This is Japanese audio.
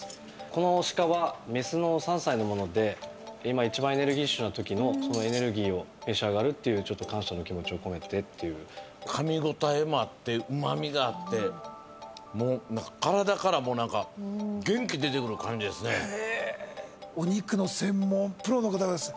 この鹿はメスの３歳のもので今一番エネルギッシュなときのそのエネルギーを召し上がるっていうちょっと感謝の気持ちを込めてっていうかみ応えもあってうまみがあってもうなんかへえーお肉の専門プロの方です